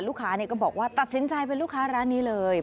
ลูกค้าก็บอกว่าตัดสินใจเป็นลูกค้าร้านนี้เลย